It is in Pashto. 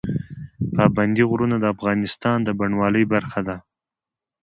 پابندی غرونه د افغانستان د بڼوالۍ برخه ده.